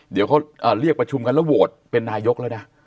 เดี๋ยวเขาเรียกประชุมกันแล้วโหวตเป็นนายกแล้วนะ